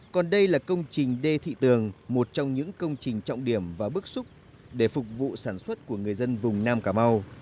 còn đây là công trình đê thị tường một trong những công trình trọng điểm và bức xúc để phục vụ sản xuất của người dân vùng nam cà mau